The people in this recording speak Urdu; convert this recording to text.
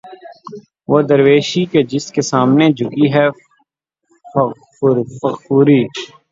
وہ درویشی کہ جس کے سامنے جھکتی ہے فغفوری